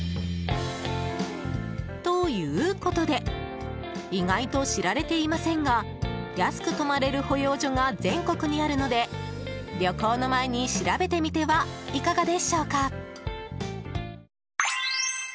ということで意外と知られていませんが安く泊まれる保養所が全国にあるので旅行の前に調べてみてはいかがでしょうか？